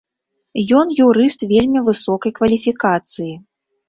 Ён юрыст вельмі высокай кваліфікацыі.